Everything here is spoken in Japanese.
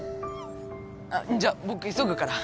あっじゃ僕急ぐから。